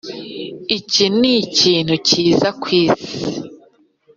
iki nikintu cyiza kwisi.